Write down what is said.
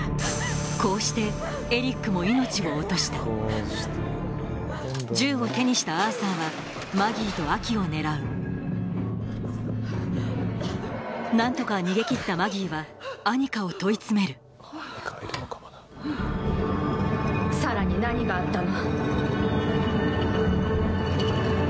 こうしてエリックも命を落とした銃を手にしたアーサーはマギーとアキを狙う何とか逃げ切ったマギーはアニカを問い詰めるサラに何があったの？